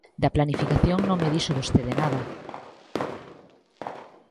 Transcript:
Da planificación non me dixo vostede nada.